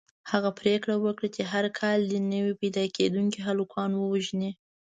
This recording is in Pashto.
هغه پرېکړه وکړه چې هر کال دې نوي پیدا کېدونکي هلکان ووژني.